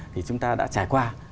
thì chúng ta đã trải qua